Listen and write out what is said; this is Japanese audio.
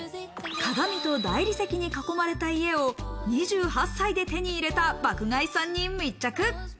鏡と大理石に囲まれた家を２８歳で手に入れた爆買いさんに密着。